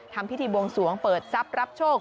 ทำพิธีบวงสวงเปิดทรัพย์รับโชค